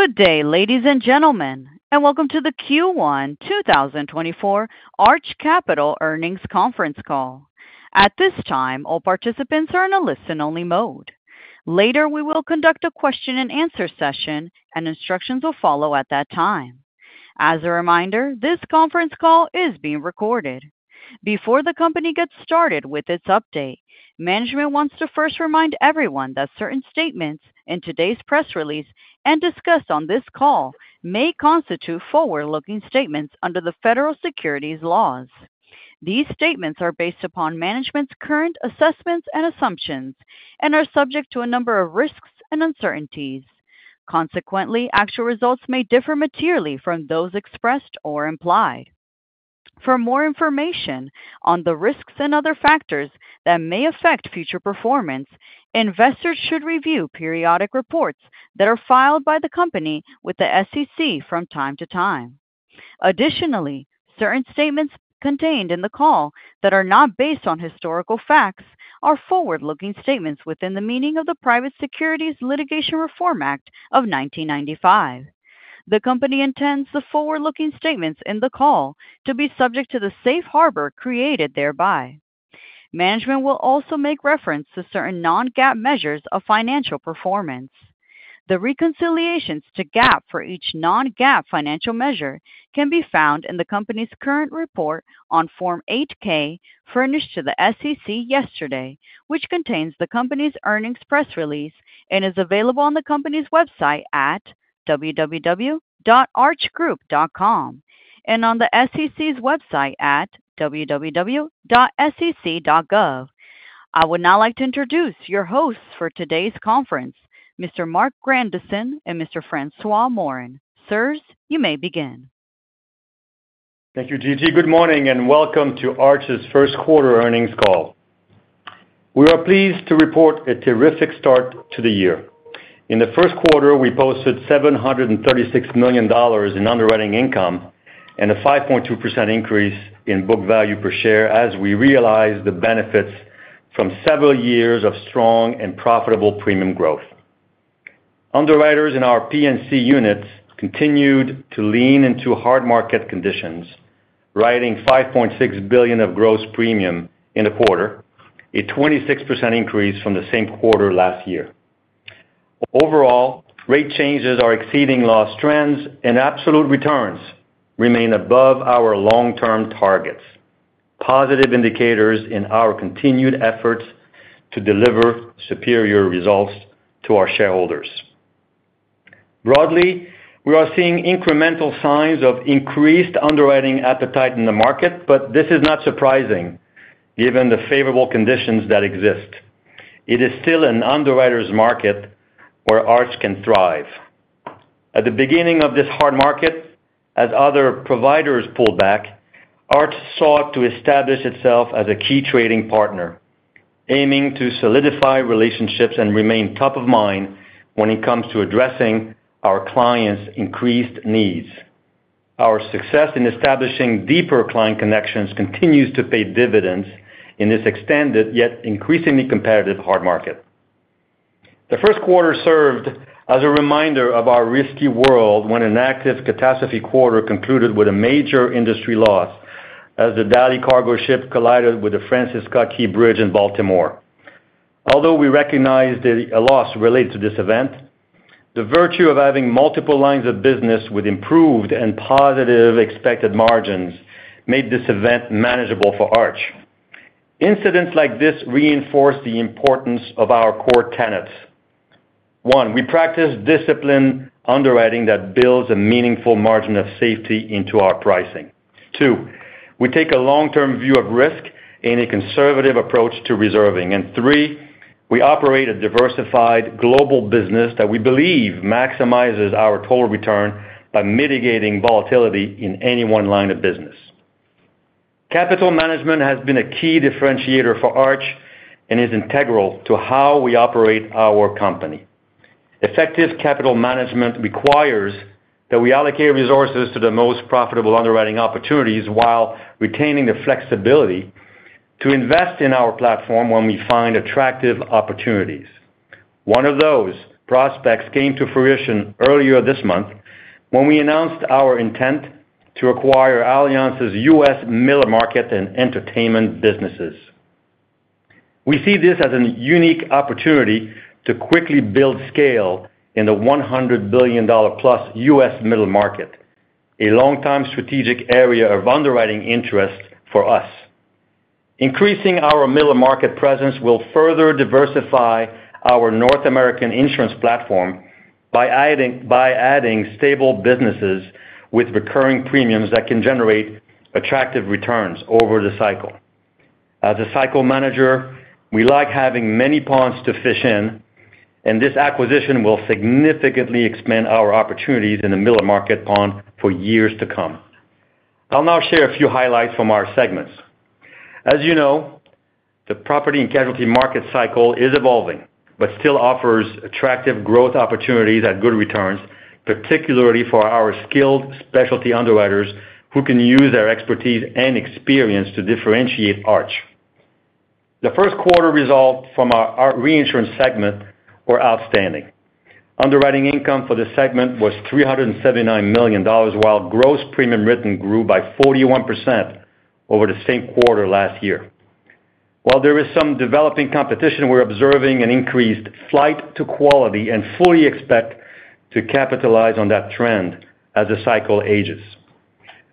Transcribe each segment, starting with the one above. Good day, ladies and gentlemen, and welcome to the Q1 2024 Arch Capital Earnings Conference Call. At this time, all participants are in a listen-only mode. Later we will conduct a question-and-answer session, and instructions will follow at that time. As a reminder, this conference call is being recorded. Before the company gets started with its update, management wants to first remind everyone that certain statements in today's press release and discussed on this call may constitute forward-looking statements under the federal securities laws. These statements are based upon management's current assessments and assumptions and are subject to a number of risks and uncertainties. Consequently, actual results may differ materially from those expressed or implied. For more information on the risks and other factors that may affect future performance, investors should review periodic reports that are filed by the company with the SEC from time to time. Additionally, certain statements contained in the call that are not based on historical facts are forward-looking statements within the meaning of the Private Securities Litigation Reform Act of 1995. The company intends the forward-looking statements in the call to be subject to the safe harbor created thereby. Management will also make reference to certain non-GAAP measures of financial performance. The reconciliations to GAAP for each non-GAAP financial measure can be found in the company's current report on Form 8-K furnished to the SEC yesterday, which contains the company's earnings press release and is available on the company's website at www.archgroup.com and on the SEC's website at www.sec.gov. I would now like to introduce your hosts for today's conference, Mr. Marc Grandisson and Mr. François Morin. Sirs, you may begin. Thank you, GT. Good morning and welcome to Arch's First Quarter Earnings Call. We are pleased to report a terrific start to the year. In the first quarter, we posted $736 million in underwriting income and a 5.2% increase in book value per share as we realized the benefits from several years of strong and profitable premium growth. Underwriters in our P&C units continued to lean into hard market conditions, writing $5.6 billion of gross premium in a quarter, a 26% increase from the same quarter last year. Overall, rate changes are exceeding loss trends and absolute returns remain above our long-term targets, positive indicators in our continued efforts to deliver superior results to our shareholders. Broadly, we are seeing incremental signs of increased underwriting appetite in the market, but this is not surprising given the favorable conditions that exist. It is still an underwriters' market where Arch can thrive. At the beginning of this hard market, as other providers pulled back, Arch sought to establish itself as a key trading partner, aiming to solidify relationships and remain top of mind when it comes to addressing our clients' increased needs. Our success in establishing deeper client connections continues to pay dividends in this extended yet increasingly competitive hard market. The first quarter served as a reminder of our risky world when an active catastrophe quarter concluded with a major industry loss as the Dali cargo ship collided with the Francis Scott Key Bridge in Baltimore. Although we recognized a loss related to this event, the virtue of having multiple lines of business with improved and positive expected margins made this event manageable for Arch. Incidents like this reinforce the importance of our core tenets. One, we practice disciplined underwriting that builds a meaningful margin of safety into our pricing. two, we take a long-term view of risk in a conservative approach to reserving. And three, we operate a diversified global business that we believe maximizes our total return by mitigating volatility in any one line of business. Capital management has been a key differentiator for Arch and is integral to how we operate our company. Effective capital management requires that we allocate resources to the most profitable underwriting opportunities while retaining the flexibility to invest in our platform when we find attractive opportunities. One of those prospects came to fruition earlier this month when we announced our intent to acquire Allianz's U.S. middle market and entertainment businesses. We see this as a unique opportunity to quickly build scale in the $100 billion+ U.S. middle market, a long-time strategic area of underwriting interest for us. Increasing our middle market presence will further diversify our North American insurance platform by adding stable businesses with recurring premiums that can generate attractive returns over the cycle. As a cycle manager, we like having many ponds to fish in, and this acquisition will significantly expand our opportunities in the middle market pond for years to come. I'll now share a few highlights from our segments. As you know, the property and casualty market cycle is evolving but still offers attractive growth opportunities at good returns, particularly for our skilled specialty underwriters who can use their expertise and experience to differentiate Arch. The first quarter result from our reinsurance segment were outstanding. Underwriting income for this segment was $379 million while gross premium written grew by 41% over the same quarter last year. While there is some developing competition, we're observing an increased flight to quality and fully expect to capitalize on that trend as the cycle ages.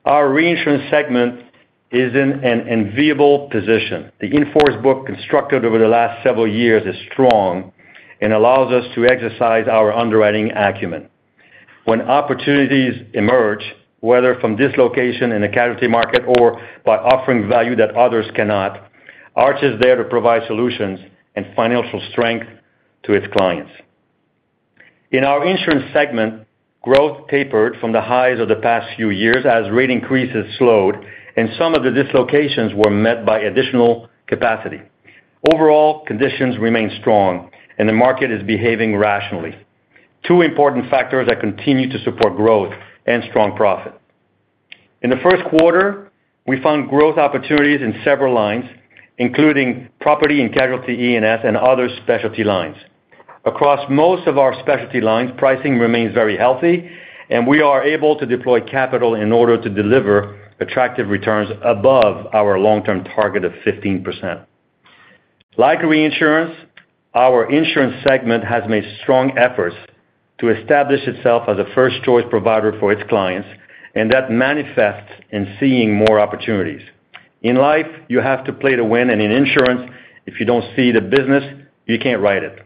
Our reinsurance segment is in an enviable position. The in-force book constructed over the last several years is strong and allows us to exercise our underwriting acumen. When opportunities emerge, whether from dislocation in the casualty market or by offering value that others cannot, Arch is there to provide solutions and financial strength to its clients. In our insurance segment, growth tapered from the highs of the past few years as rate increases slowed, and some of the dislocations were met by additional capacity. Overall, conditions remain strong, and the market is behaving rationally, two important factors that continue to support growth and strong profit. In the first quarter, we found growth opportunities in several lines, including property and casualty E&S and other specialty lines. Across most of our specialty lines, pricing remains very healthy, and we are able to deploy capital in order to deliver attractive returns above our long-term target of 15%. Like reinsurance, our insurance segment has made strong efforts to establish itself as a first-choice provider for its clients, and that manifests in seeing more opportunities. In life, you have to play to win, and in insurance, if you don't see the business, you can't write it.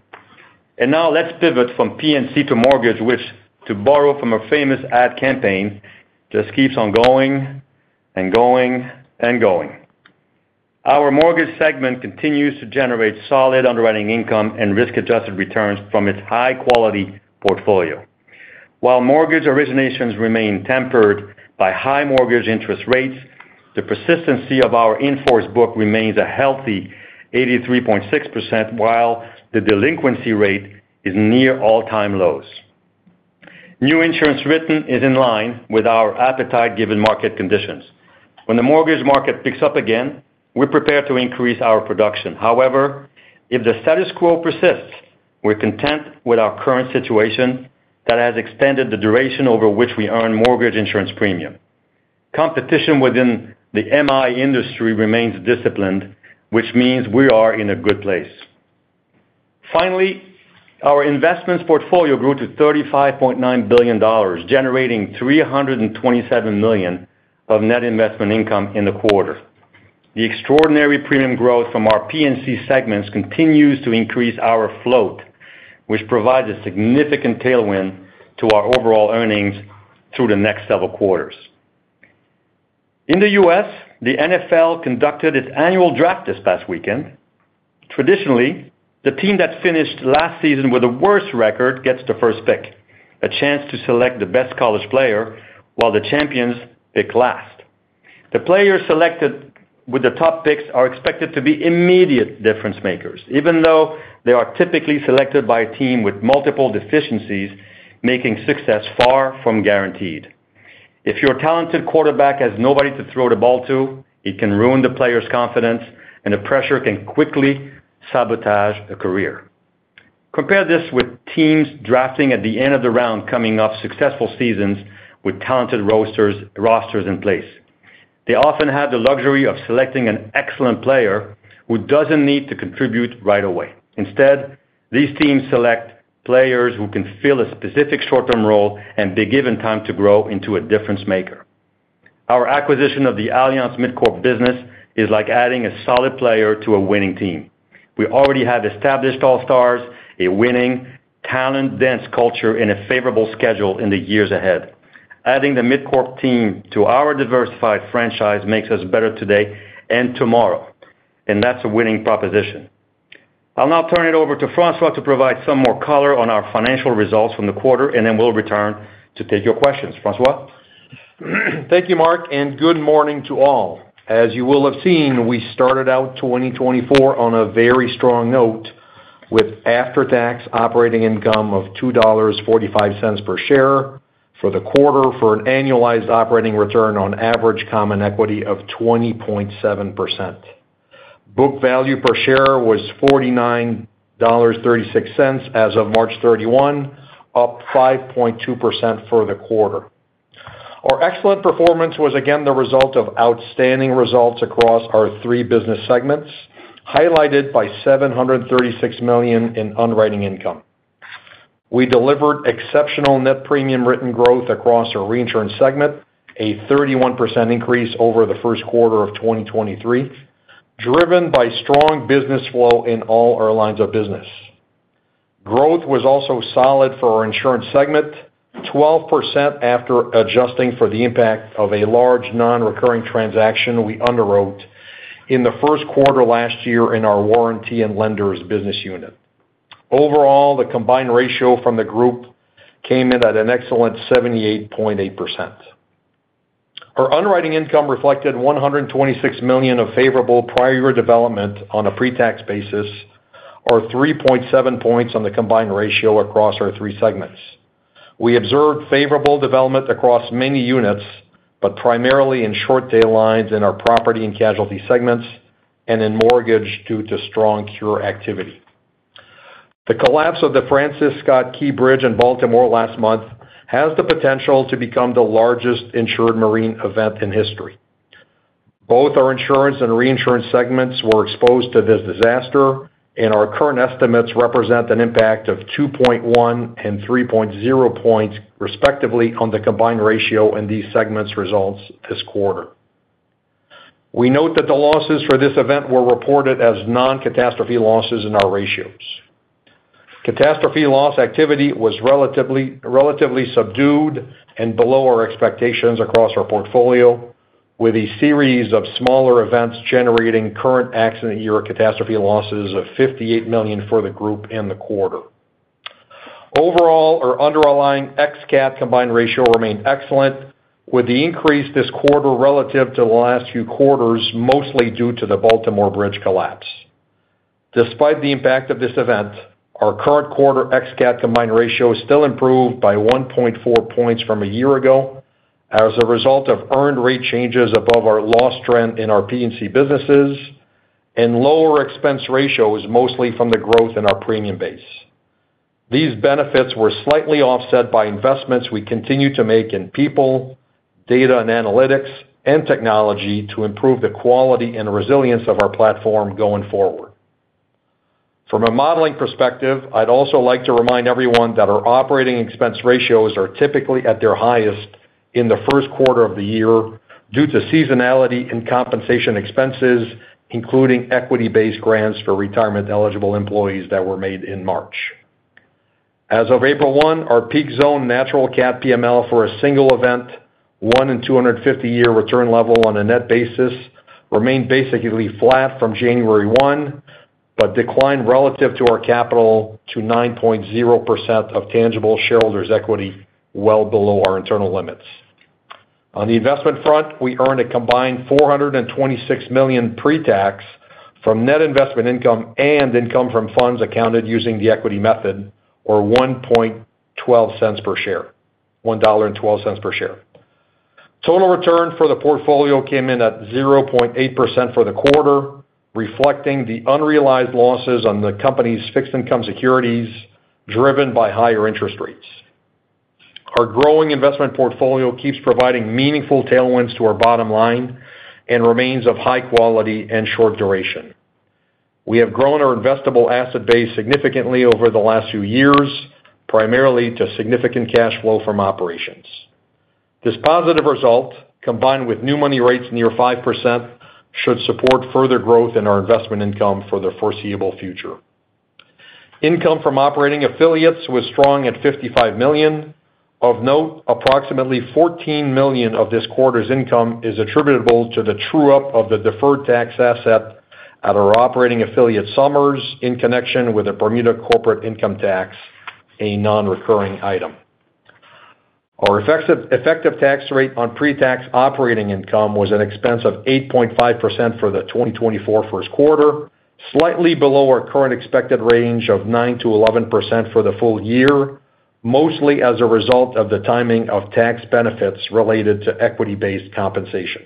And now let's pivot from P&C to mortgage, which, to borrow from a famous ad campaign, just keeps on going and going and going. Our mortgage segment continues to generate solid underwriting income and risk-adjusted returns from its high-quality portfolio. While mortgage originations remain tempered by high mortgage interest rates, the persistency of our in-forced book remains a healthy 83.6% while the delinquency rate is near all-time lows. New insurance written is in line with our appetite given market conditions. When the mortgage market picks up again, we're prepared to increase our production. However, if the status quo persists, we're content with our current situation that has extended the duration over which we earn mortgage insurance premium. Competition within the MI industry remains disciplined, which means we are in a good place. Finally, our investments portfolio grew to $35.9 billion, generating $327 million of net investment income in the quarter. The extraordinary premium growth from our P&C segments continues to increase our float, which provides a significant tailwind to our overall earnings through the next several quarters. In the U.S., the NFL conducted its annual draft this past weekend. Traditionally, the team that finished last season with the worst record gets the first pick, a chance to select the best college player while the champions pick last. The players selected with the top picks are expected to be immediate difference-makers, even though they are typically selected by a team with multiple deficiencies making success far from guaranteed. If your talented quarterback has nobody to throw the ball to, it can ruin the player's confidence, and the pressure can quickly sabotage a career. Compare this with teams drafting at the end of the round coming off successful seasons with talented rosters in place. They often have the luxury of selecting an excellent player who doesn't need to contribute right away. Instead, these teams select players who can fill a specific short-term role and be given time to grow into a difference-maker. Our acquisition of the Allianz MidCorp business is like adding a solid player to a winning team. We already have established All-Stars, a winning, talent-dense culture, and a favorable schedule in the years ahead. Adding the MidCorp team to our diversified franchise makes us better today and tomorrow, and that's a winning proposition. I'll now turn it over to François to provide some more color on our financial results from the quarter, and then we'll return to take your questions. François? Thank you, Marc, and good morning to all. As you will have seen, we started out 2024 on a very strong note with after-tax operating income of $2.45 per share for the quarter for an annualized operating return on average common equity of 20.7%. Book value per share was $49.36 as of March 31, up 5.2% for the quarter. Our excellent performance was again the result of outstanding results across our three business segments, highlighted by $736 million in underwriting income. We delivered exceptional net premium written growth across our reinsurance segment, a 31% increase over the first quarter of 2023, driven by strong business flow in all our lines of business. Growth was also solid for our insurance segment, 12% after adjusting for the impact of a large non-recurring transaction we underwrote in the first quarter last year in our warranty and lenders business unit. Overall, the combined ratio from the group came in at an excellent 78.8%. Our underwriting income reflected $126 million of favorable prior year development on a pretax basis, or 3.7 points on the combined ratio across our three segments. We observed favorable development across many units, but primarily in short-tail lines in our property and casualty segments and in mortgage due to strong cure activity. The collapse of the Francis Scott Key Bridge in Baltimore last month has the potential to become the largest insured marine event in history. Both our insurance and reinsurance segments were exposed to this disaster, and our current estimates represent an impact of 2.1 and 3.0 points, respectively, on the combined ratio and these segments' results this quarter. We note that the losses for this event were reported as non-catastrophe losses in our ratios. Catastrophe loss activity was relatively subdued and below our expectations across our portfolio, with a series of smaller events generating current accident year catastrophe losses of $58 million for the group in the quarter. Overall, our underlying ex-cat combined ratio remained excellent, with the increase this quarter relative to the last few quarters mostly due to the Baltimore Bridge collapse. Despite the impact of this event, our current quarter ex-cat combined ratio still improved by 1.4 points from a year ago as a result of earned rate changes above our loss trend in our P&C businesses and lower expense ratios mostly from the growth in our premium base. These benefits were slightly offset by investments we continue to make in people, data, and analytics, and technology to improve the quality and resilience of our platform going forward. From a modeling perspective, I'd also like to remind everyone that our operating expense ratios are typically at their highest in the first quarter of the year due to seasonality and compensation expenses, including equity-based grants for retirement-eligible employees that were made in March. As of April 1, our peak zone natural cat PML for a single event, one in 250-year return level on a net basis, remained basically flat from January 1 but declined relative to our capital to 9.0% of tangible shareholders' equity, well below our internal limits. On the investment front, we earned a combined $426 million pretax from net investment income and income from funds accounted using the equity method, or $1.12 per share, $1.12 per share. Total return for the portfolio came in at 0.8% for the quarter, reflecting the unrealized losses on the company's fixed income securities driven by higher interest rates. Our growing investment portfolio keeps providing meaningful tailwinds to our bottom line and remains of high quality and short duration. We have grown our investable asset base significantly over the last few years, primarily to significant cash flow from operations. This positive result, combined with new money rates near 5%, should support further growth in our investment income for the foreseeable future. Income from operating affiliates was strong at $55 million. Of note, approximately $14 million of this quarter's income is attributable to the true-up of the deferred tax asset at our operating affiliate, Somers, in connection with a Bermuda corporate income tax, a non-recurring item. Our effective tax rate on pretax operating income was an expense of 8.5% for the 2024 first quarter, slightly below our current expected range of 9%-11% for the full year, mostly as a result of the timing of tax benefits related to equity-based compensation.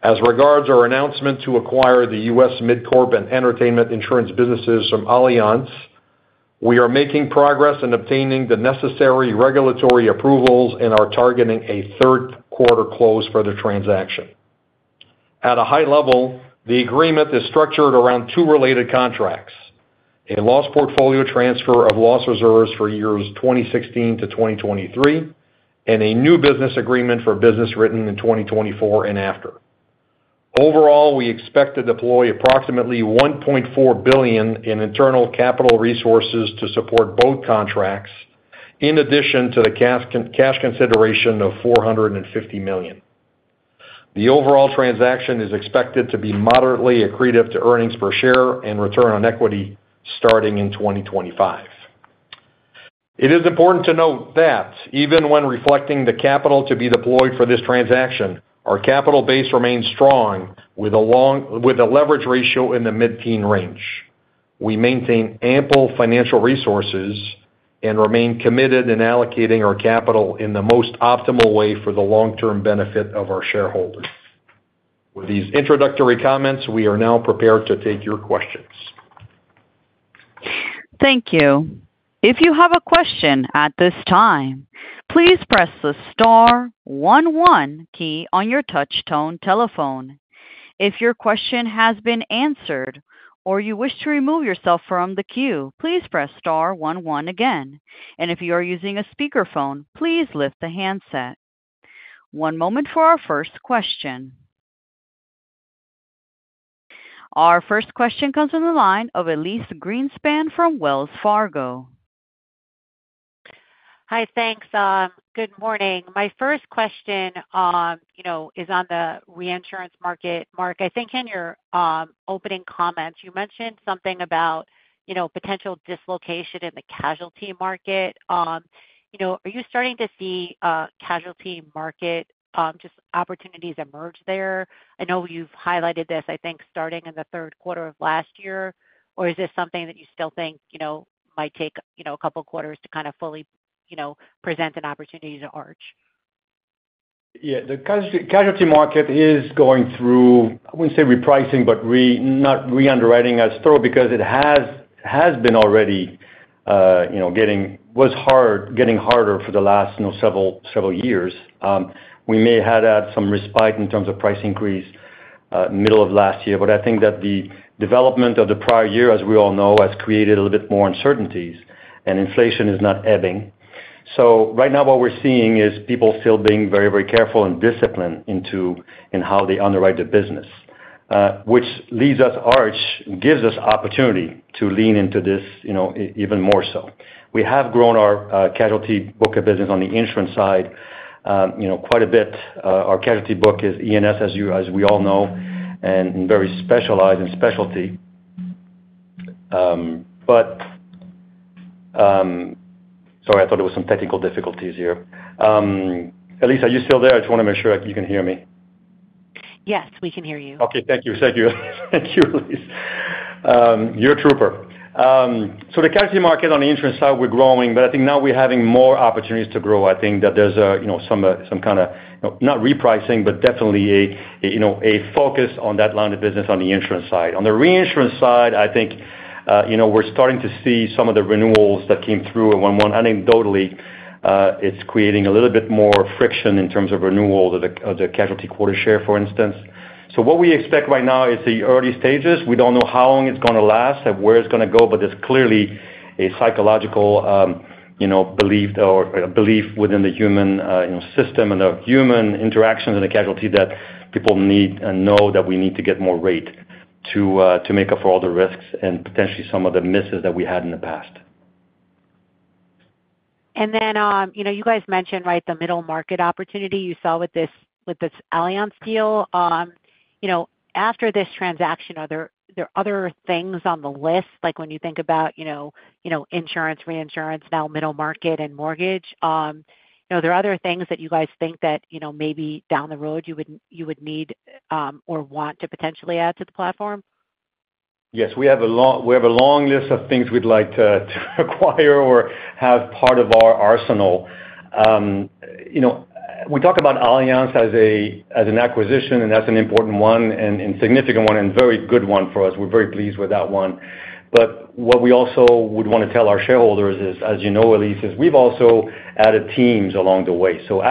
As regards our announcement to acquire the U.S. MidCorp and entertainment insurance businesses from Allianz, we are making progress in obtaining the necessary regulatory approvals, and are targeting a third-quarter close for the transaction. At a high level, the agreement is structured around two related contracts: a loss portfolio transfer of loss reserves for years 2016-2023 and a new business agreement for business written in 2024 and after. Overall, we expect to deploy approximately $1.4 billion in internal capital resources to support both contracts, in addition to the cash consideration of $450 million. The overall transaction is expected to be moderately accretive to earnings per share and return on equity starting in 2025. It is important to note that, even when reflecting the capital to be deployed for this transaction, our capital base remains strong with a leverage ratio in the mid-teen range. We maintain ample financial resources and remain committed in allocating our capital in the most optimal way for the long-term benefit of our shareholders. With these introductory comments, we are now prepared to take your questions. Thank you. If you have a question at this time, please press the star one one key on your touch-tone telephone. If your question has been answered or you wish to remove yourself from the queue, please press star one one again. If you are using a speakerphone, please lift the handset. One moment for our first question. Our first question comes from the line of Elyse Greenspan from Wells Fargo. Hi, thanks. Good morning. My first question is on the reinsurance market. Marc, I think in your opening comments, you mentioned something about potential dislocation in the casualty market. Are you starting to see casualty market opportunities emerge there? I know you've highlighted this, I think, starting in the third quarter of last year. Or is this something that you still think might take a couple of quarters to kind of fully present an opportunity to Arch? Yeah, the casualty market is going through—I wouldn't say repricing, but not re-underwriting as thorough because it has been already getting harder for the last several years. We may have had some respite in terms of price increase middle of last year, but I think that the development of the prior year, as we all know, has created a little bit more uncertainties, and inflation is not ebbing. So right now, what we're seeing is people still being very, very careful and disciplined in how they underwrite their business, which leads us at Arch, gives us opportunity to lean into this even more so. We have grown our casualty book of business on the insurance side quite a bit. Our casualty book is E&S, as we all know, and very specialized in specialty. Sorry, I thought there were some technical difficulties here. Elyse, are you still there? I just want to make sure you can hear me. Yes, we can hear you. Okay, thank you. Thank you, Elyse. You're a trooper. So the casualty market on the insurance side, we're growing, but I think now we're having more opportunities to grow. I think that there's some kind of not repricing, but definitely a focus on that line of business on the insurance side. On the reinsurance side, I think we're starting to see some of the renewals that came through. Anecdotally, it's creating a little bit more friction in terms of renewal of the casualty quota share, for instance. So what we expect right now is the early stages. We don't know how long it's going to last and where it's going to go, but there's clearly a psychological belief within the human system and the human interactions and the casualty that people need and know that we need to get more rate to make up for all the risks and potentially some of the misses that we had in the past. Then you guys mentioned the middle market opportunity you saw with this Allianz deal. After this transaction, are there other things on the list? When you think about insurance, reinsurance, now middle market, and mortgage, are there other things that you guys think that maybe down the road you would need or want to potentially add to the platform? Yes, we have a long list of things we'd like to acquire or have part of our arsenal. We talk about Allianz as an acquisition, and that's an important one and significant one and very good one for us. We're very pleased with that one. But what we also would want to tell our shareholders is, as you know, Elise, is we've also added teams along the way. So a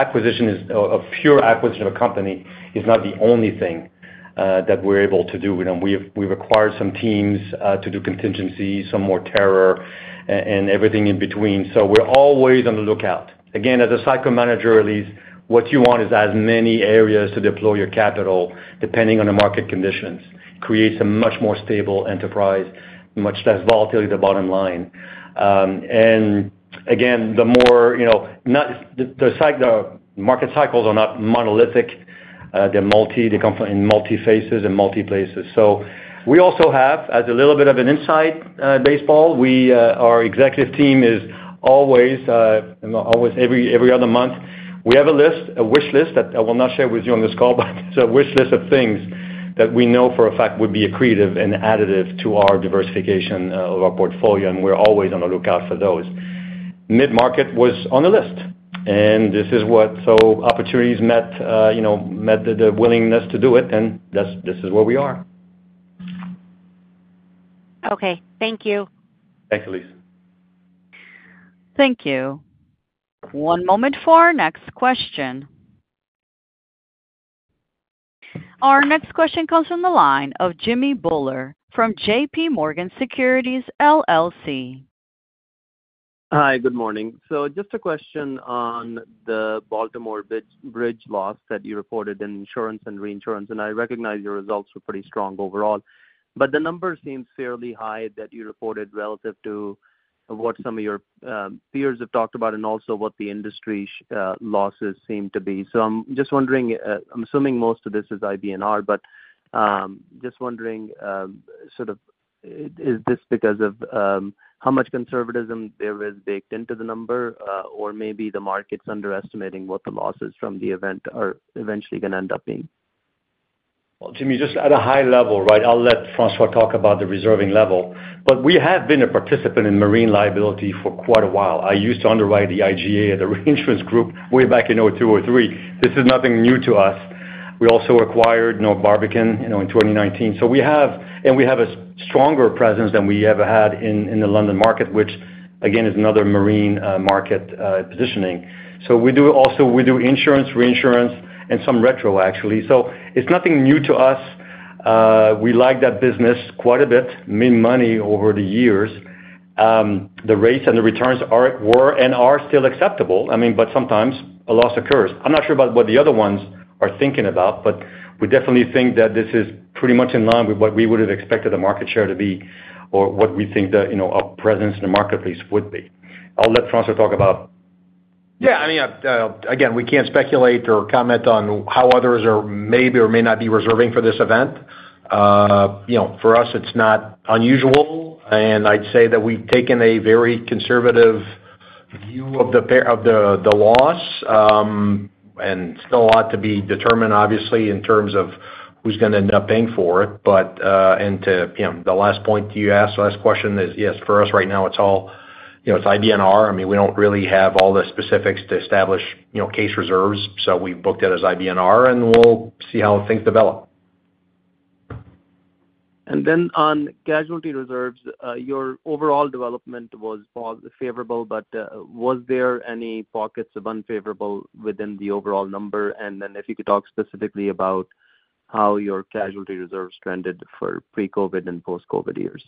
pure acquisition of a company is not the only thing that we're able to do. We've acquired some teams to do contingencies, some more terror, and everything in between. So we're always on the lookout. Again, as a cycle manager, Elise, what you want is as many areas to deploy your capital depending on the market conditions. Creates a much more stable enterprise, much less volatility at the bottom line. And again, the more the market cycles are not monolithic. They're multi-phases and multi-places. So we also have, as a little bit of an inside baseball, our executive team is always, every other month, we have a wish list that I will not share with you on this call, but it's a wish list of things that we know for a fact would be accretive and additive to our diversification of our portfolio, and we're always on the lookout for those. Mid-market was on the list, and this is what so opportunities met the willingness to do it, and this is where we are. Okay, thank you. Thanks, Elyse. Thank you. One moment for our next question. Our next question comes from the line of Jimmy Bhullar from JPMorgan Securities LLC. Hi, good morning. Just a question on the Baltimore Bridge loss that you reported in insurance and reinsurance. I recognize your results were pretty strong overall, but the number seems fairly high that you reported relative to what some of your peers have talked about and also what the industry losses seem to be. I'm just wondering. I'm assuming most of this is IBNR, but just wondering sort of is this because of how much conservatism there is baked into the number, or maybe the market's underestimating what the losses from the event are eventually going to end up being? Well, Jimmy, just at a high level, right, I'll let François talk about the reserving level. But we have been a participant in marine liability for quite a while. I used to underwrite the IGA at the reinsurance group way back in 2002 or 2003. This is nothing new to us. We also acquired Barbican in 2019. And we have a stronger presence than we ever had in the London market, which, again, is another marine market positioning. So also, we do insurance, reinsurance, and some retro, actually. So it's nothing new to us. We like that business quite a bit, made money over the years. The rates and the returns were and are still acceptable. I mean, but sometimes a loss occurs. I'm not sure about what the other ones are thinking about, but we definitely think that this is pretty much in line with what we would have expected the market share to be or what we think our presence in the marketplace would be. I'll let François talk about. Yeah, I mean, again, we can't speculate or comment on how others maybe or may not be reserving for this event. For us, it's not unusual, and I'd say that we've taken a very conservative view of the loss. Still a lot to be determined, obviously, in terms of who's going to end up paying for it. But the last point you asked, last question is, yes, for us right now, it's IBNR. I mean, we don't really have all the specifics to establish case reserves, so we've booked it as IBNR, and we'll see how things develop. And then on casualty reserves, your overall development was favorable, but was there any pockets of unfavorable within the overall number? And then if you could talk specifically about how your casualty reserves trended for pre-COVID and post-COVID years?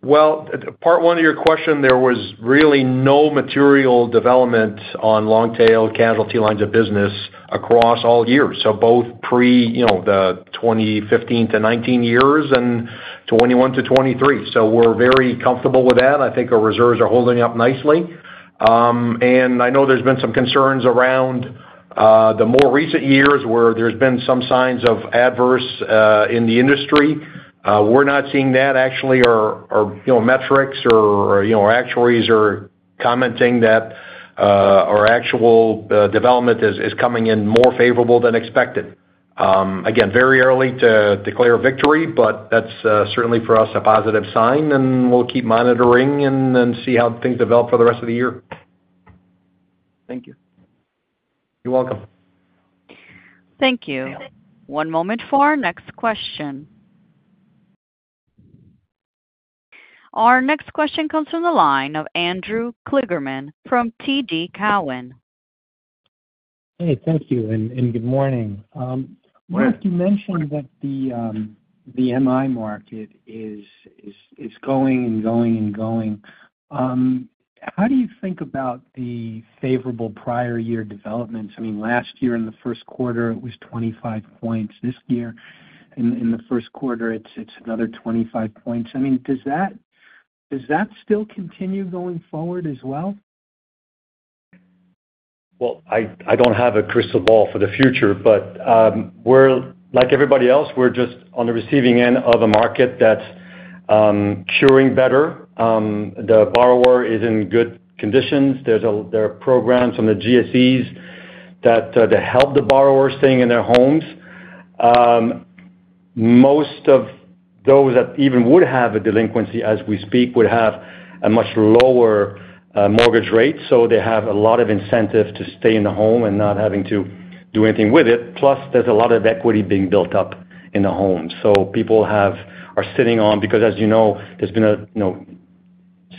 Well, part one of your question, there was really no material development on long-tail casualty lines of business across all years, so both pre the 2015-2019 years and 2021-2023. So we're very comfortable with that. I think our reserves are holding up nicely. And I know there's been some concerns around the more recent years where there's been some signs of adverse in the industry. We're not seeing that, actually. Our metrics or actuaries are commenting that our actual development is coming in more favorable than expected. Again, very early to declare victory, but that's certainly for us a positive sign, and we'll keep monitoring and see how things develop for the rest of the year. Thank you. You're welcome. Thank you. One moment for our next question. Our next question comes from the line of Andrew Kligerman from TD Cowen. Hey, thank you, and good morning. Marc, you mentioned that the MI market is going and going and going. How do you think about the favorable prior-year developments? I mean, last year in the first quarter, it was 25 points. This year in the first quarter, it's another 25 points. I mean, does that still continue going forward as well? Well, I don't have a crystal ball for the future, but like everybody else, we're just on the receiving end of a market that's curing better. The borrower is in good conditions. There are programs from the GSEs that help the borrowers staying in their homes. Most of those that even would have a delinquency, as we speak, would have a much lower mortgage rate, so they have a lot of incentive to stay in the home and not having to do anything with it. Plus, there's a lot of equity being built up in the homes. So people are sitting on because, as you know, there's been a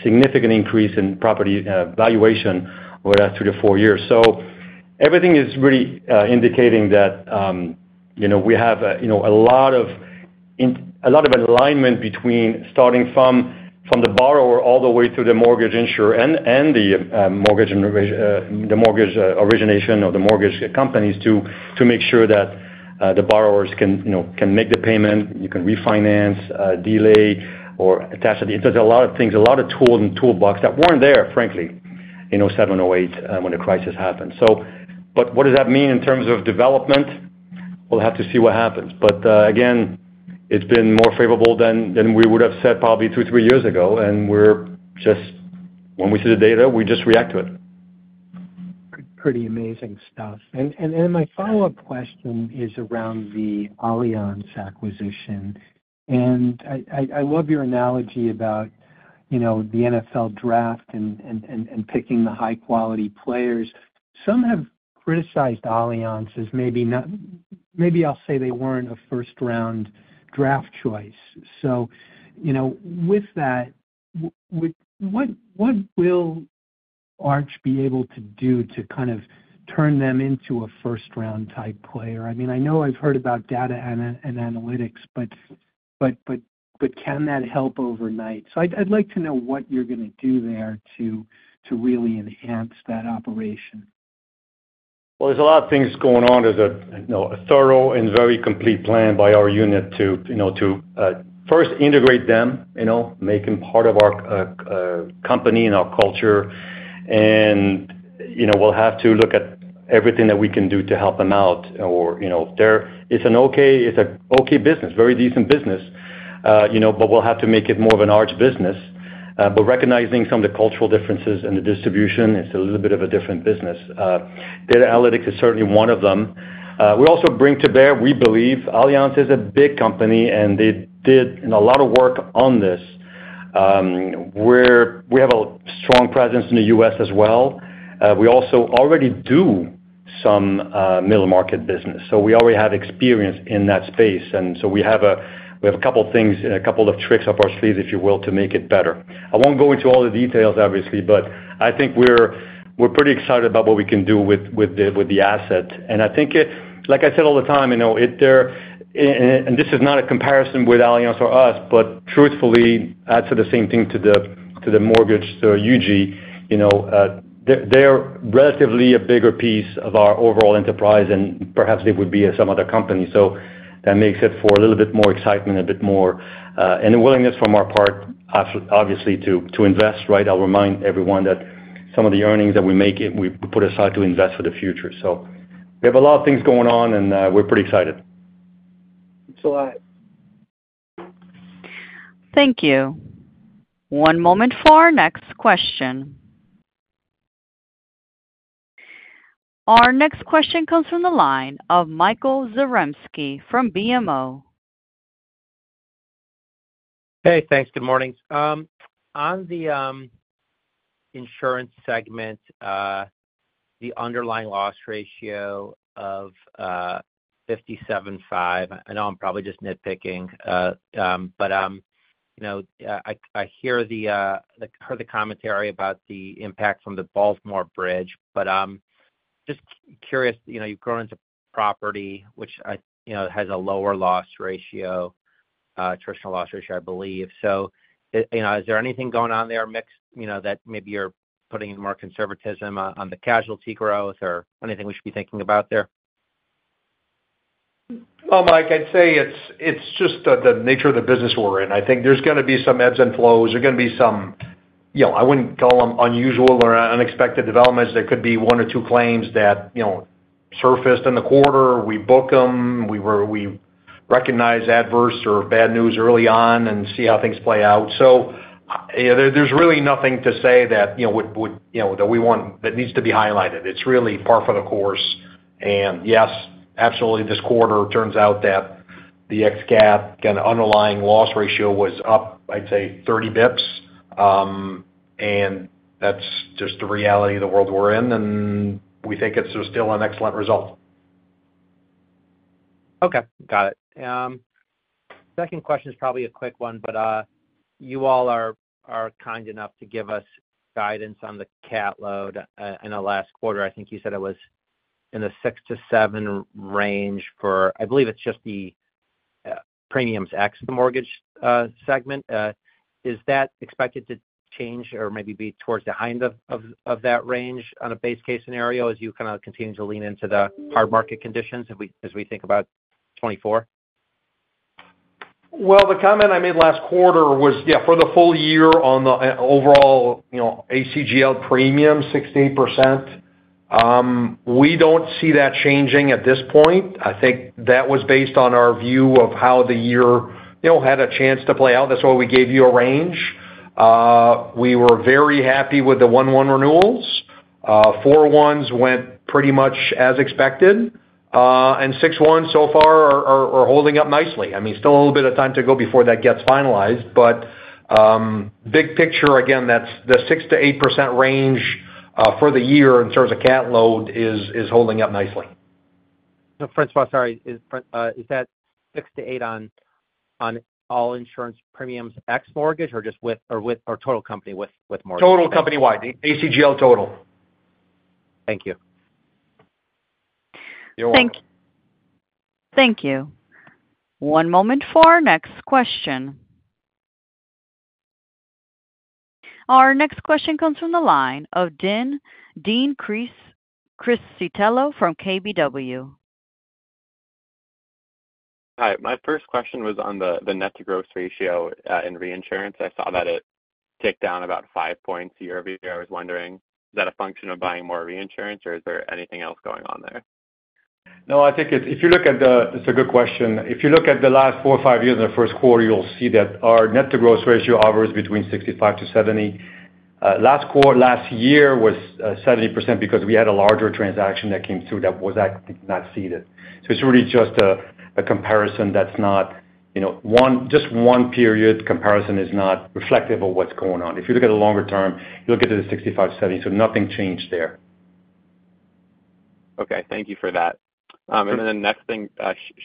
significant increase in property valuation over the last three to four years. So everything is really indicating that we have a lot of alignment between starting from the borrower all the way through the mortgage insurer and the mortgage origination or the mortgage companies to make sure that the borrowers can make the payment, you can refinance, delay, or attach it. So there's a lot of things, a lot of tools and toolbox that weren't there, frankly, in 2007, 2008 when the crisis happened. But what does that mean in terms of development? We'll have to see what happens. But again, it's been more favorable than we would have said probably two, three years ago, and when we see the data, we just react to it. Pretty amazing stuff. And then my follow-up question is around the Allianz acquisition. And I love your analogy about the NFL draft and picking the high-quality players. Some have criticized Allianz as maybe, I'll say, they weren't a first-round draft choice. So with that, what will Arch be able to do to kind of turn them into a first-round-type player? I mean, I know I've heard about data and analytics, but can that help overnight? So I'd like to know what you're going to do there to really enhance that operation. Well, there's a lot of things going on. There's a thorough and very complete plan by our unit to first integrate them, make them part of our company and our culture. And we'll have to look at everything that we can do to help them out. It's an okay business, very decent business, but we'll have to make it more of an arch business. But recognizing some of the cultural differences and the distribution, it's a little bit of a different business. Data analytics is certainly one of them. We also bring to bear, we believe, Allianz is a big company, and they did a lot of work on this. We have a strong presence in the U.S. as well. We also already do some middle-market business, so we already have experience in that space. And so we have a couple of things and a couple of tricks up our sleeves, if you will, to make it better. I won't go into all the details, obviously, but I think we're pretty excited about what we can do with the asset. And I think, like I said all the time, and this is not a comparison with Allianz or us, but truthfully, adds to the same thing to the mortgage, to UG. They're relatively a bigger piece of our overall enterprise, and perhaps they would be at some other company, so that makes for a little bit more excitement, a bit more and a willingness from our part, obviously, to invest, right? I'll remind everyone that some of the earnings that we make, we put aside to invest for the future. So we have a lot of things going on, and we're pretty excited. That's a lot. Thank you. One moment for our next question. Our next question comes from the line of Michael Zaremski from BMO. Hey, thanks. Good morning. On the insurance segment, the underlying loss ratio of 57.5, I know I'm probably just nitpicking, but I hear the commentary about the impact from the Baltimore Bridge. But just curious, you've grown into property which has a lower loss ratio, attritional loss ratio, I believe. So is there anything going on there mixed that maybe you're putting more conservatism on the casualty growth or anything we should be thinking about there? Well, Mike, I'd say it's just the nature of the business we're in. I think there's going to be some ebbs and flows. There's going to be some I wouldn't call them unusual or unexpected developments. There could be one or two claims that surfaced in the quarter. We book them. We recognize adverse or bad news early on and see how things play out. So there's really nothing to say that we want that needs to be highlighted. It's really par for the course. And yes, absolutely, this quarter turns out that the ex-cat kind of underlying loss ratio was up, I'd say, 30 basis points. And that's just the reality of the world we're in, and we think it's still an excellent result. Okay, got it. Second question is probably a quick one, but you all are kind enough to give us guidance on the cat load in the last quarter. I think you said it was in the 6-7 range for I believe it's just the premiums ex the mortgage segment. Is that expected to change or maybe be towards the end of that range on a base case scenario as you kind of continue to lean into the hard market conditions as we think about 2024? Well, the comment I made last quarter was, yeah, for the full year on the overall ACGL premium, 68%. We don't see that changing at this point. I think that was based on our view of how the year had a chance to play out. That's why we gave you a range. We were very happy with the 1-1 renewals. 4-1s went pretty much as expected. And 6-1s so far are holding up nicely. I mean, still a little bit of time to go before that gets finalized, but big picture, again, the 6%-8% range for the year in terms of cat load is holding up nicely. François, sorry, is that 6-8 on all insurance premiums ex mortgage or total company with mortgage? Total company-wide, ACGL total. Thank you. Thank you. One moment for our next question. Our next question comes from the line of Dean Criscitiello from KBW. Hi. My first question was on the net-to-gross ratio in reinsurance. I saw that it ticked down about 5 points year-over-year. I was wondering, is that a function of buying more reinsurance, or is there anything else going on there? No, I think if you look at it, it's a good question. If you look at the last four or five years in the first quarter, you'll see that our net-to-gross ratio hovers between 65%-70%. Last year was 70% because we had a larger transaction that came through that was actually not ceded. So it's really just a comparison that's not just one period. Comparison is not reflective of what's going on. If you look at the longer term, you look at the 65%-70%, so nothing changed there. Okay, thank you for that. Then the next thing,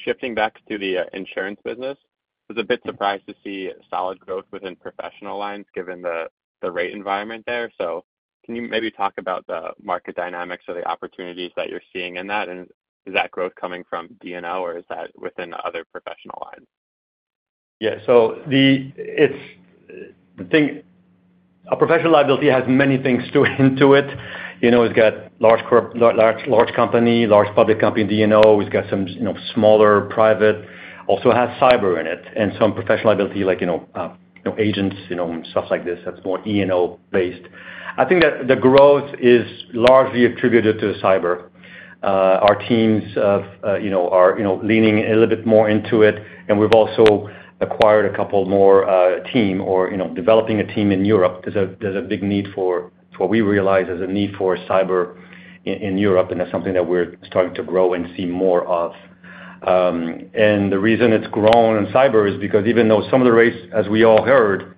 shifting back to the insurance business, I was a bit surprised to see solid growth within professional lines given the rate environment there. So can you maybe talk about the market dynamics or the opportunities that you're seeing in that? And is that growth coming from D&O, or is that within other professional lines? Yeah, so a professional liability has many things to it. It's got large company, large public company D&O. It's got some smaller private. Also has cyber in it and some professional liability like agents, stuff like this that's more E&O-based. I think that the growth is largely attributed to cyber. Our teams are leaning a little bit more into it, and we've also acquired a couple more team or developing a team in Europe. There's a big need for what we realize as a need for cyber in Europe, and that's something that we're starting to grow and see more of. And the reason it's grown in cyber is because even though some of the rates, as we all heard,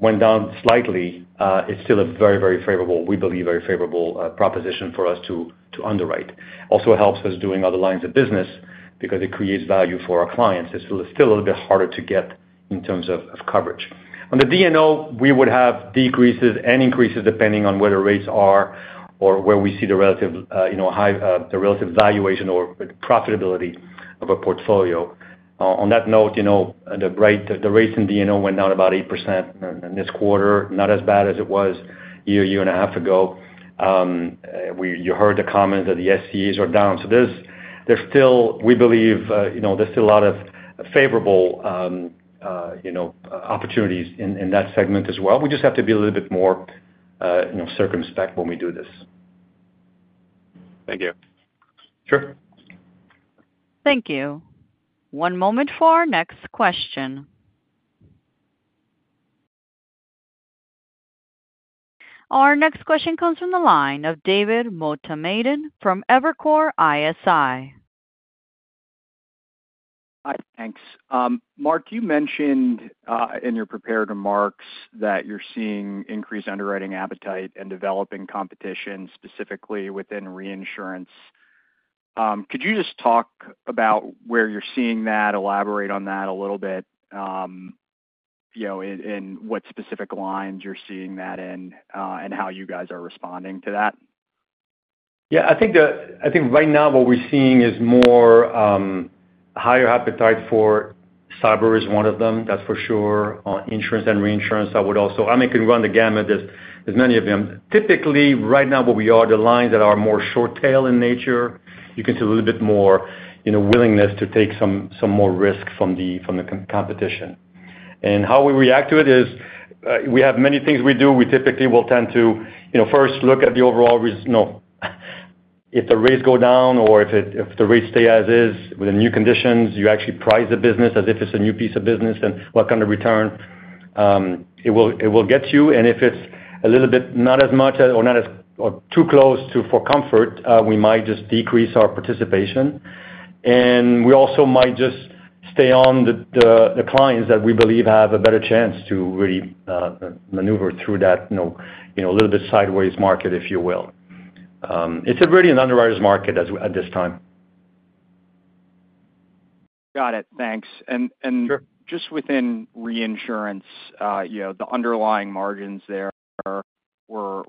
went down slightly, it's still a very, very favorable, we believe, very favorable proposition for us to underwrite. Also helps us doing other lines of business because it creates value for our clients. It's still a little bit harder to get in terms of coverage. On the D&O, we would have decreases and increases depending on where the rates are or where we see the relative high, the relative valuation or profitability of a portfolio. On that note, the rates in D&O went down about 8% in this quarter, not as bad as it was a year, year and a half ago. You heard the comments that the SCAs are down. So we believe there's still a lot of favorable opportunities in that segment as well. We just have to be a little bit more circumspect when we do this. Thank you. Sure. Thank you. One moment for our next question. Our next question comes from the line of David Motemaden from Evercore ISI. Hi, thanks. Marc, you mentioned in your prepared remarks that you're seeing increased underwriting appetite and developing competition, specifically within reinsurance. Could you just talk about where you're seeing that, elaborate on that a little bit, in what specific lines you're seeing that in and how you guys are responding to that? Yeah, I think right now what we're seeing is more higher appetite for cyber is one of them, that's for sure. Insurance and reinsurance, I would also I mean, I can run the gamut. There's many of them. Typically, right now where we are, the lines that are more short-tail in nature, you can see a little bit more willingness to take some more risk from the competition. And how we react to it is we have many things we do. We typically will tend to first look at the overall no, if the rates go down or if the rates stay as is with the new conditions, you actually price the business as if it's a new piece of business and what kind of return it will get you. And if it's a little bit not as much or too close for comfort, we might just decrease our participation. We also might just stay on the clients that we believe have a better chance to really maneuver through that a little bit sideways market, if you will. It's really an underwriters' market at this time. Got it. Thanks. And just within reinsurance, the underlying margins there were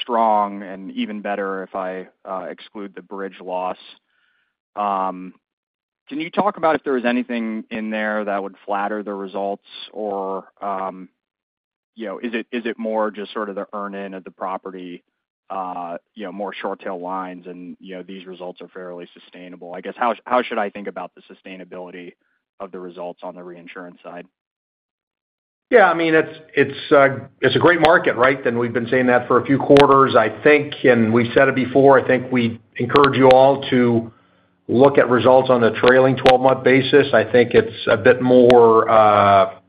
strong and even better if I exclude the bridge loss. Can you talk about if there was anything in there that would flatter the results, or is it more just sort of the earn-in of the property, more short-tail lines, and these results are fairly sustainable? I guess, how should I think about the sustainability of the results on the reinsurance side? Yeah, I mean, it's a great market, right? And we've been saying that for a few quarters, I think, and we've said it before. I think we encourage you all to look at results on a trailing 12-month basis. I think it's a bit more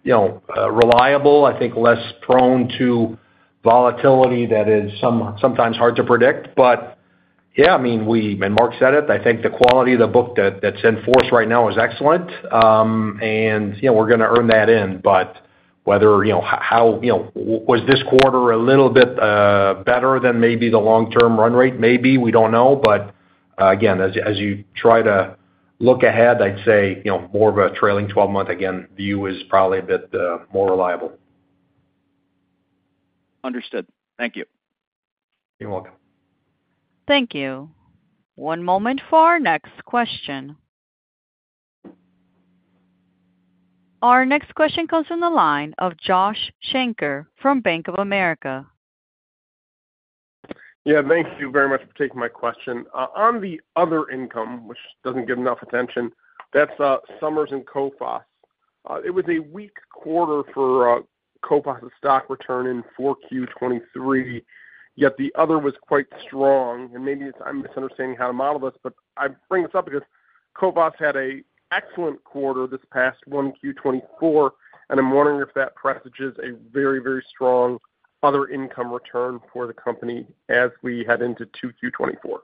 reliable. I think less prone to volatility that is sometimes hard to predict. But yeah, I mean, we and Marc said it. I think the quality of the book that's in force right now is excellent, and we're going to earn that in. But whether how was this quarter a little bit better than maybe the long-term run rate? Maybe. We don't know. But again, as you try to look ahead, I'd say more of a trailing 12-month, again, view is probably a bit more reliable. Understood. Thank you. You're welcome. Thank you. One moment for our next question. Our next question comes from the line of Joshua Shanker from Bank of America. Yeah, thank you very much for taking my question. On the other income, which doesn't get enough attention, that's Somers and Coface. It was a weak quarter for Coface' stock return in 4Q 2023, yet the other was quite strong. Maybe I'm misunderstanding how to model this, but I bring this up because Coface had an excellent quarter this past 1Q 2024, and I'm wondering if that presages a very, very strong other income return for the company as we head into 2Q 2024.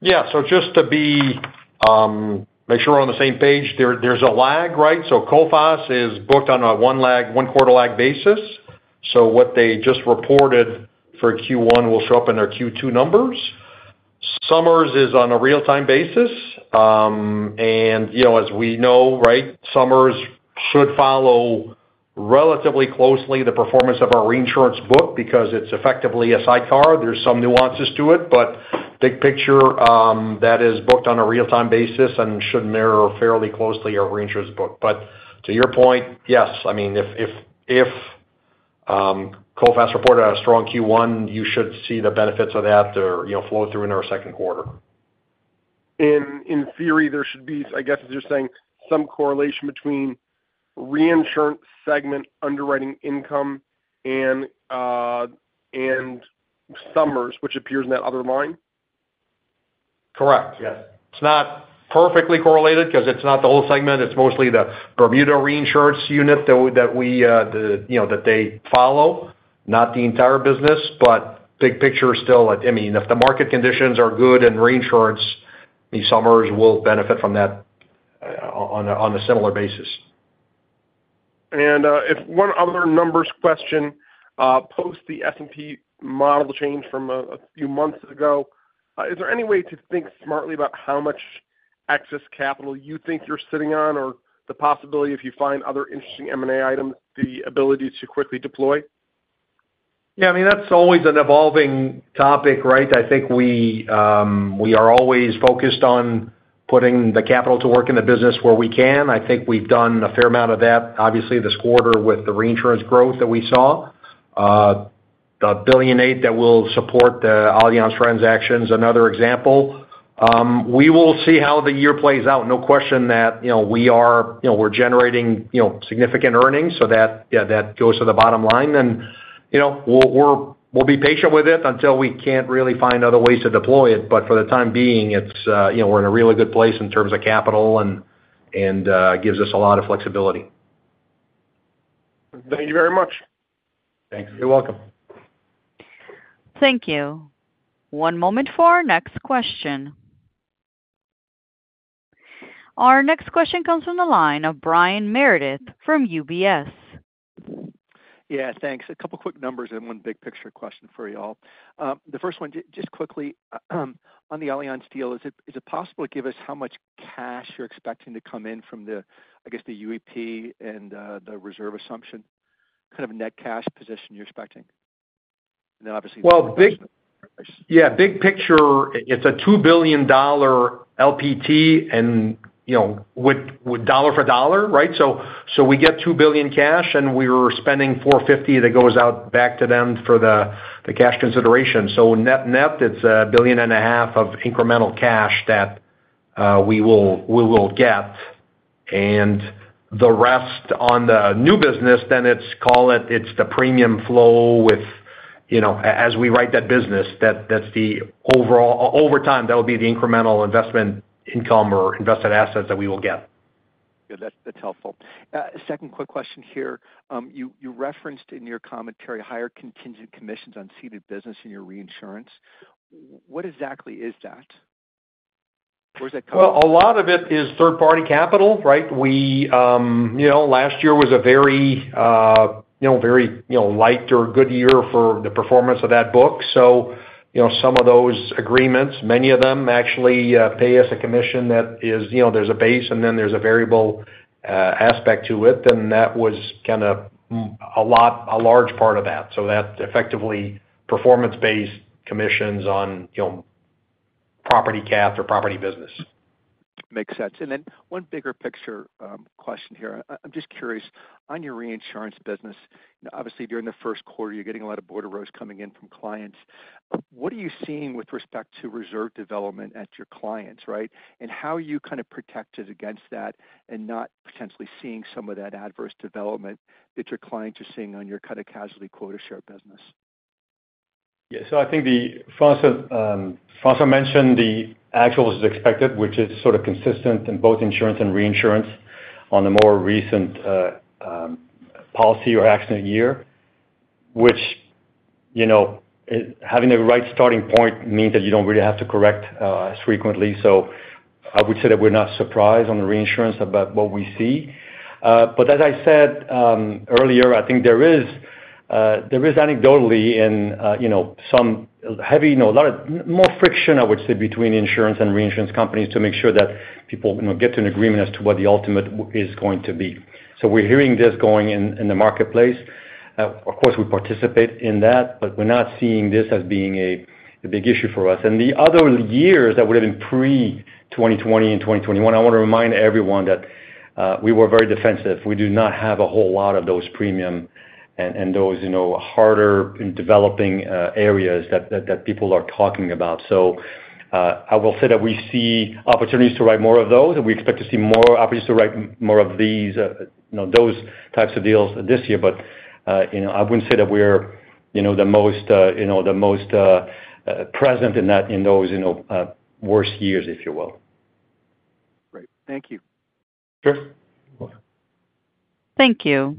Yeah, so just to make sure we're on the same page, there's a lag, right? So Coface is booked on a one-quarter lag basis. So what they just reported for Q1 will show up in their Q2 numbers. Somers is on a real-time basis. And as we know, right, Somers should follow relatively closely the performance of our reinsurance book because it's effectively a sidecar. There's some nuances to it, but big picture, that is booked on a real-time basis and should mirror fairly closely our reinsurance book. But to your point, yes, I mean, if Coface reported a strong Q1, you should see the benefits of that flow through in our second quarter. In theory, there should be, I guess, as you're saying, some correlation between reinsurance segment underwriting income and Somers, which appears in that other line? Correct. It's not perfectly correlated because it's not the whole segment. It's mostly the Bermuda reinsurance unit that they follow, not the entire business. But big picture is still, I mean, if the market conditions are good and reinsurance, I mean, Somers will benefit from that on a similar basis. One other numbers question. Post the S&P model change from a few months ago, is there any way to think smartly about how much excess capital you think you're sitting on or the possibility, if you find other interesting M&A items, the ability to quickly deploy? Yeah, I mean, that's always an evolving topic, right? I think we are always focused on putting the capital to work in the business where we can. I think we've done a fair amount of that, obviously, this quarter with the reinsurance growth that we saw, the $1.8 billion that will support the Allianz transactions, another example. We will see how the year plays out. No question that we're generating significant earnings, so that goes to the bottom line. And we'll be patient with it until we can't really find other ways to deploy it. But for the time being, we're in a really good place in terms of capital, and it gives us a lot of flexibility. Thank you very much. Thanks. You're welcome. Thank you. One moment for our next question. Our next question comes from the line of Brian Meredith from UBS. Yeah, thanks. A couple of quick numbers and one big picture question for you all. The first one, just quickly, on the Allianz deal, is it possible to give us how much cash you're expecting to come in from, I guess, the UEP and the reserve assumption, kind of net cash position you're expecting? And then, obviously, the position. Well, yeah, big picture, it's a $2 billion LPT and dollar for dollar, right? So we get $2 billion cash, and we're spending $450 million that goes out back to them for the cash consideration. So net, net, it's $1.5 billion of incremental cash that we will get. And the rest on the new business, then it's call it it's the premium flow with as we write that business, that's the overall over time, that'll be the incremental investment income or invested assets that we will get. Good. That's helpful. Second quick question here. You referenced in your commentary higher contingent commissions on seeded business in your reinsurance. What exactly is that? Where does that come from? Well, a lot of it is third-party capital, right? Last year was a very light or good year for the performance of that book. So some of those agreements, many of them actually pay us a commission that is, there's a base, and then there's a variable aspect to it. And that was kind of a large part of that. So that's effectively performance-based commissions on property cap or property business. Makes sense. And then one bigger picture question here. I'm just curious, on your reinsurance business, obviously, during the first quarter, you're getting a lot of bordereaux coming in from clients. What are you seeing with respect to reserve development at your clients, right, and how are you kind of protected against that and not potentially seeing some of that adverse development that your clients are seeing on your kind of casualty quota share business? Yeah, so I think François mentioned the actuals as expected, which is sort of consistent in both insurance and reinsurance on the more recent policy or Accident Year, which having the right starting point means that you don't really have to correct as frequently. So I would say that we're not surprised on the reinsurance about what we see. But as I said earlier, I think there is anecdotally in some heavy a lot of more friction, I would say, between insurance and reinsurance companies to make sure that people get to an agreement as to what the ultimate is going to be. So we're hearing this going in the marketplace. Of course, we participate in that, but we're not seeing this as being a big issue for us. The other years that would have been pre-2020 and 2021, I want to remind everyone that we were very defensive. We do not have a whole lot of those premium and those harder developing areas that people are talking about. So I will say that we see opportunities to write more of those, and we expect to see more opportunities to write more of those types of deals this year. But I wouldn't say that we're the most present in those worst years, if you will. Great. Thank you. Sure. Thank you.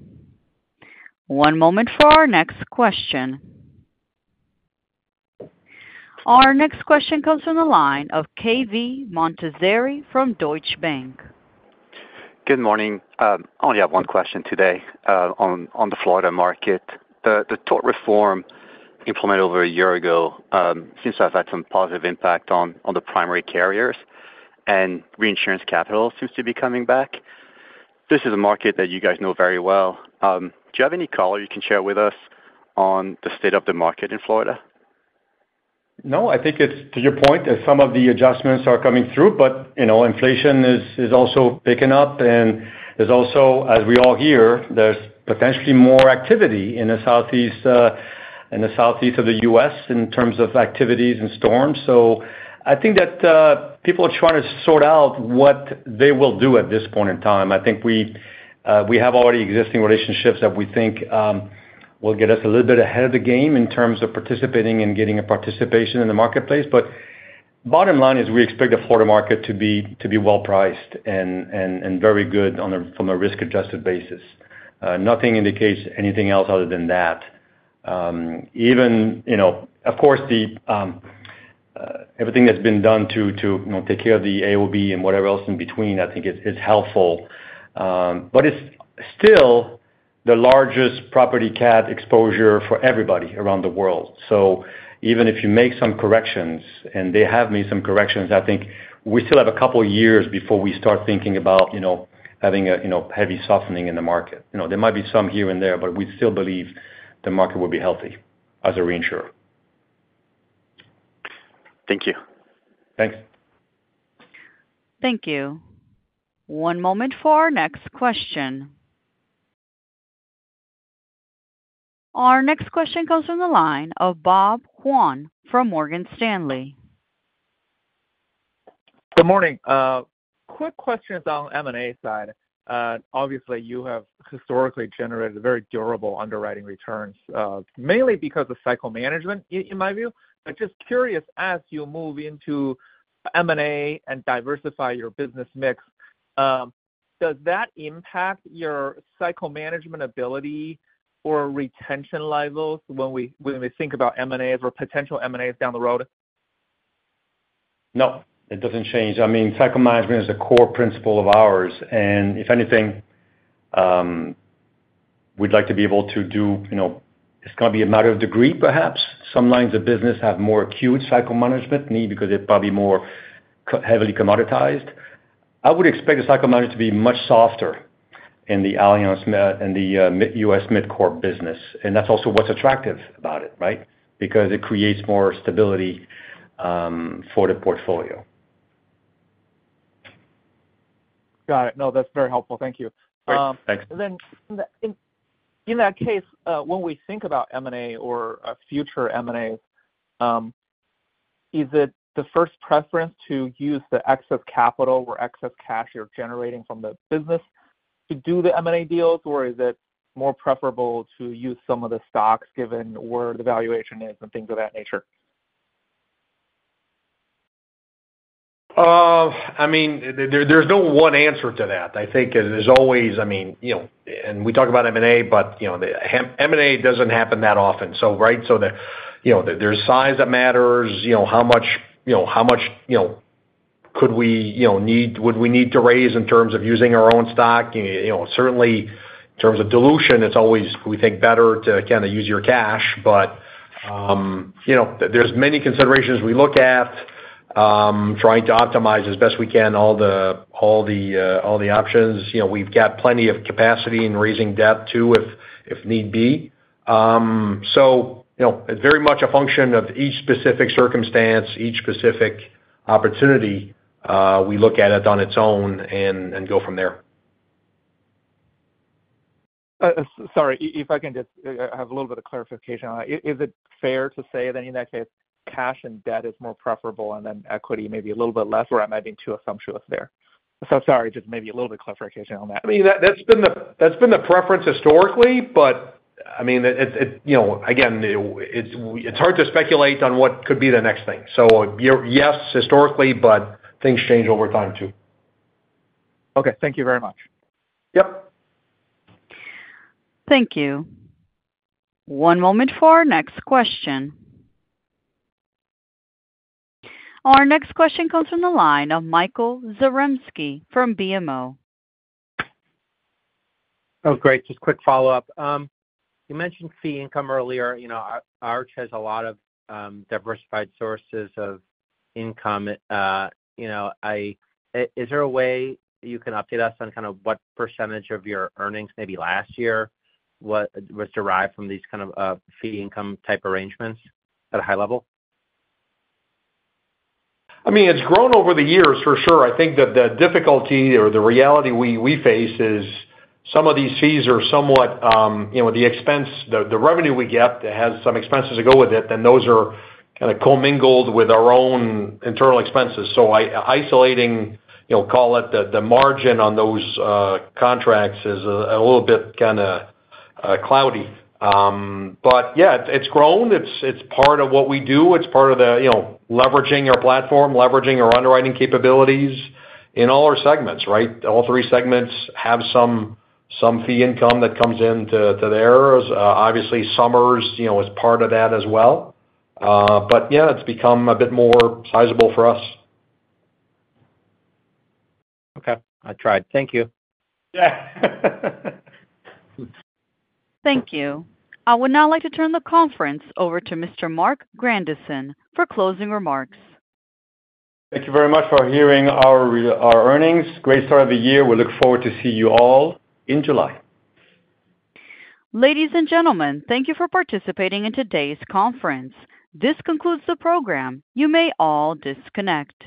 One moment for our next question. Our next question comes from the line of Yaron Kinar from Deutsche Bank. Good morning. I only have one question today on the Florida market. The tort reform implemented over a year ago seems to have had some positive impact on the primary carriers, and reinsurance capital seems to be coming back. This is a market that you guys know very well. Do you have any color you can share with us on the state of the market in Florida? No, I think it's to your point, as some of the adjustments are coming through, but inflation is also picking up. And there's also, as we all hear, there's potentially more activity in the Southeast of the U.S. in terms of activities and storms. So I think that people are trying to sort out what they will do at this point in time. I think we have already existing relationships that we think will get us a little bit ahead of the game in terms of participating and getting a participation in the marketplace. But bottom line is we expect the Florida market to be well-priced and very good from a risk-adjusted basis. Nothing indicates anything else other than that. Even of course, everything that's been done to take care of the AOB and whatever else in between, I think it's helpful. But it's still the largest property cat exposure for everybody around the world. So even if you make some corrections and they have made some corrections, I think we still have a couple of years before we start thinking about having a heavy softening in the market. There might be some here and there, but we still believe the market will be healthy as a reinsurer. Thank you. Thanks. Thank you. One moment for our next question. Our next question comes from the line of Bob Huang from Morgan Stanley. Good morning. Quick question on the M&A side. Obviously, you have historically generated very durable underwriting returns, mainly because of cycle management, in my view. But just curious, as you move into M&A and diversify your business mix, does that impact your cycle management ability or retention levels when we think about M&As or potential M&As down the road? No, it doesn't change. I mean, cycle management is a core principle of ours. And if anything, we'd like to be able to do it. It's going to be a matter of degree, perhaps. Some lines of business have more acute cycle management, maybe because they're probably more heavily commoditized. I would expect the cycle management to be much softer in the Allianz and the U.S. MidCorp business. And that's also what's attractive about it, right, because it creates more stability for the portfolio. Got it. No, that's very helpful. Thank you. Great. Thanks. And then in that case, when we think about M&A or future M&As, is it the first preference to use the excess capital or excess cash you're generating from the business to do the M&A deals, or is it more preferable to use some of the stocks given where the valuation is and things of that nature? I mean, there's no one answer to that. I think there's always I mean, and we talk about M&A, but M&A doesn't happen that often, right? So there's size that matters. How much would we need to raise in terms of using our own stock? Certainly, in terms of dilution, it's always we think better to kind of use your cash. But there's many considerations we look at, trying to optimize as best we can all the options. We've got plenty of capacity in raising debt too if need be. So it's very much a function of each specific circumstance, each specific opportunity. We look at it on its own and go from there. Sorry, if I can just have a little bit of clarification on that. Is it fair to say then in that case, cash and debt is more preferable and then equity maybe a little bit less, or am I being too presumptuous there? So sorry, just maybe a little bit of clarification on that. I mean, that's been the preference historically. But I mean, again, it's hard to speculate on what could be the next thing. So yes, historically, but things change over time too. Okay. Thank you very much. Yep. Thank you. One moment for our next question. Our next question comes from the line of Michael Zaremski from BMO. Oh, great. Just quick follow-up. You mentioned fee income earlier. Arch has a lot of diversified sources of income. Is there a way you can update us on kind of what percentage of your earnings, maybe last year, was derived from these kind of fee income type arrangements at a high level? I mean, it's grown over the years, for sure. I think that the difficulty or the reality we face is some of these fees are somewhat the expense the revenue we get that has some expenses to go with it, then those are kind of commingled with our own internal expenses. So isolating, call it the margin on those contracts is a little bit kind of cloudy. But yeah, it's grown. It's part of what we do. It's part of the leveraging our platform, leveraging our underwriting capabilities in all our segments, right? All three segments have some fee income that comes into theirs. Obviously, Somers is part of that as well. But yeah, it's become a bit more sizable for us. Okay. I tried. Thank you. Thank you. I would now like to turn the conference over to Mr. Marc Grandisson for closing remarks. Thank you very much for hearing our earnings. Great start of the year. We look forward to seeing you all in July. Ladies and gentlemen, thank you for participating in today's conference. This concludes the program. You may all disconnect.